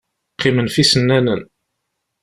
Qqimen ɣef yisennanen.